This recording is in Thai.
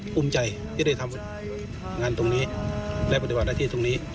ภูมิใจที่ได้ทำงานตรงนี้และปฏิบัติหน้าที่ตรงนี้